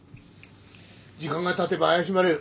時間がたてば怪しまれる。